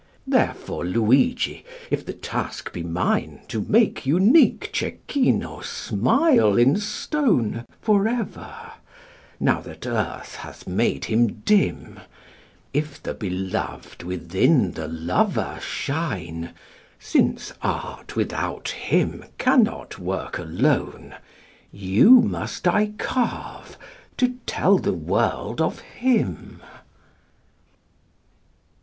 Therefore, Luigi, if the task be mine To make unique Cecchino smile in stone For ever, now that earth hath made him dim, If the beloved within the lover shine, Since art without him cannot work alone, You must I carve to tell the world of him.